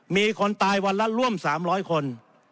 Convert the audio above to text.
มีคนตายวันละร่วม๓๐๐คน